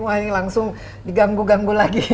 wah ini langsung diganggu ganggu lagi